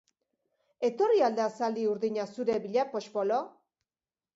Etorri al da zaldi urdina zure bila, poxpolo?